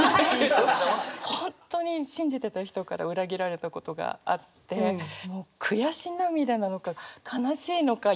本当に信じてた人から裏切られたことがあってもう悔し涙なのか悲しいのか怒りなのか分からない。